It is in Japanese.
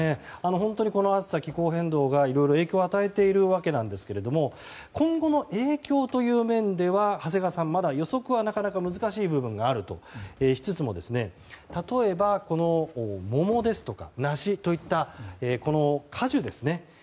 本当にこの暑さ、気候変動がいろいろ影響を与えていますが今後の影響という面では長谷川さん、まだ予測はなかなか難しい部分があるとしつつも例えば、桃ですとか梨といった果樹ですね。